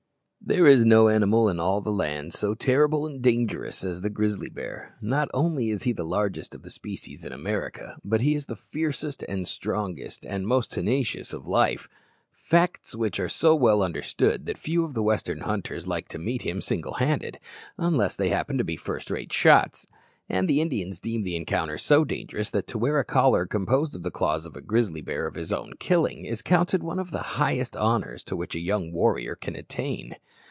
There is no animal in all the land so terrible and dangerous as the grizzly bear. Not only is he the largest of the species in America, but he is the fiercest, the strongest, and the most tenacious of life facts which are so well understood that few of the western hunters like to meet him single handed, unless they happen to be first rate shots; and the Indians deem the encounter so dangerous that to wear a collar composed of the claws of a grizzly bear of his own killing is counted one of the highest honours to which a young warrior can attain.